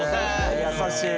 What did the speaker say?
優しい。